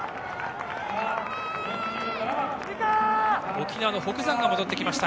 沖縄の北山が戻ってきました。